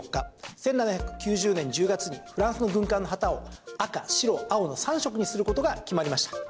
１７９０年１０月にフランスの軍艦の旗を赤白青の３色にすることが決まりました。